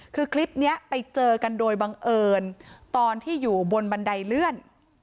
คือคลิปนี้ไปเจอกันโดยบังเอิญตอนที่อยู่บนบันไดเลื่อน